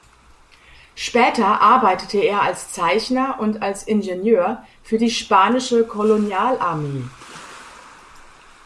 Später arbeitete er als Zeichner und als Ingenieur für die spanische Kolonialarmee.